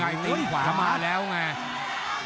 ภูตวรรณสิทธิ์บุญมีน้ำเงิน